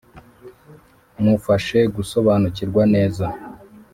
mufashe gusobanukirwa neza